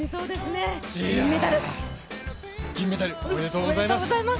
いや、銀メダル、おめでとうございます。